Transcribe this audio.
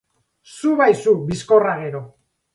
Zu bai zu, bizkorra gero.